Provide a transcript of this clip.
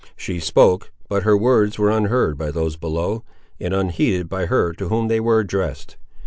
She spoke, but her words were unheard by those below, and unheeded by her to whom they were addressed.